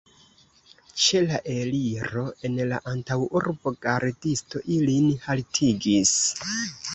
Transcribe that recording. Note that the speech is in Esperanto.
Ĉe la eliro el la antaŭurbo gardisto ilin haltigis.